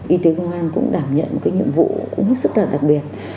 y tế công an cũng đảm nhận một nhiệm vụ rất đặc biệt